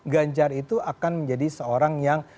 ganjar itu akan menjadi seorang yang